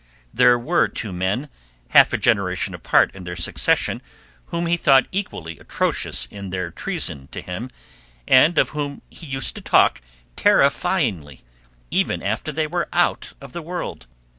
There were two men, half a generation apart in their succession, whom he thought equally atrocious in their treason to him, and of whom he used to talk terrifyingly, even after they were out of the world.